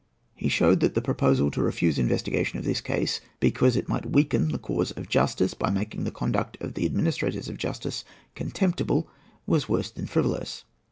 He showed that the proposal to refuse investigation of this case because it might weaken the cause of justice, by making the conduct of the administrators of justice contemptible, was worse than frivolous.